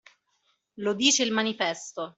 Lo dice il manifesto